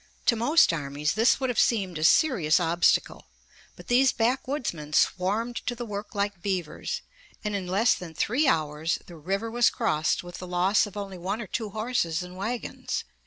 To most armies this would have seemed a serious obstacle, but these backwoodsmen swarmed to the work like beavers, and in less than three hours the river was crossed with the loss of only one or two horses and wagons.